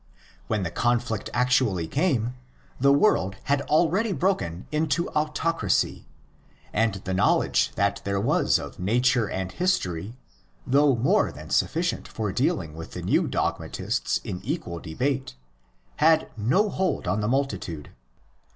When the conflict actually came, the world had already been broken in to autocracy; and the know ledge that there was of nature and history, though more than sufficient for dealing with the new dogma tists in equal debate, had no hold on the multitude.